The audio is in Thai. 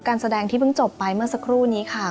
การแสดงที่เพิ่งจบไปเมื่อสักครู่นี้ค่ะ